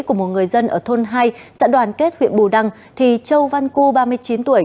của một người dân ở thôn hai dã đoàn kết huyện bù đăng thì châu văn cư ba mươi chín tuổi